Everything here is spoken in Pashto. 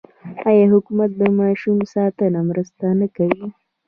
آیا حکومت د ماشوم ساتنې مرسته نه کوي؟